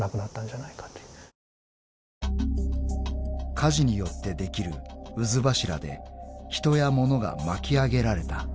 ［火事によってできる渦柱で人や物が巻き上げられた］